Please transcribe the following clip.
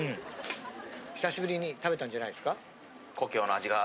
久しぶりに食べたんじゃないですか？